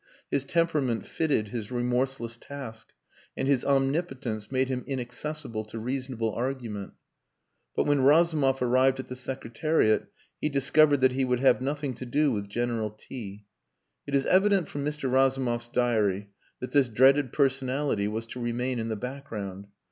His temperament fitted his remorseless task, and his omnipotence made him inaccessible to reasonable argument. But when Razumov arrived at the Secretariat he discovered that he would have nothing to do with General T . It is evident from Mr. Razumov's diary that this dreaded personality was to remain in the background.